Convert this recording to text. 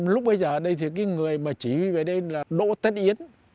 lúc bây giờ ở đây thì cái người mà chỉ về đây là đỗ tất yến